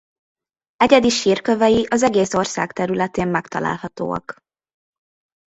Egyedi sírkövei az egész ország területén megtalálhatóak.